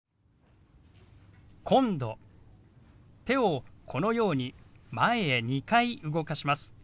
手をこのように前へ２回動かします。